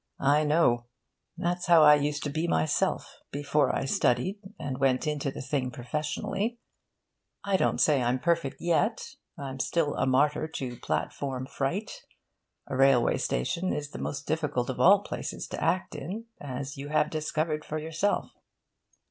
I know. That's how I used to be myself, before I studied, and went into the thing professionally. I don't say I'm perfect yet. I'm still a martyr to platform fright. A railway station is the most difficult of all places to act in, as you have discovered for yourself.'